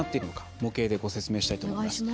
模型で、ご説明したいと思います。